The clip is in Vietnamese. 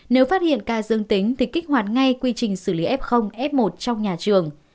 nếu phát hiện ca dương tính thì kích hoạt ngay quy trình xử lý f f một trong nhà trường